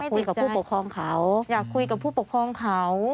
คุยกับผู้ปกครองเขาอยากคุยกับผู้ปกครองเขา